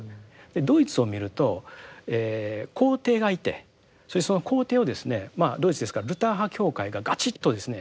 ドイツを見ると皇帝がいてそれでその皇帝をですねドイツですからルター派教会がガチッとですね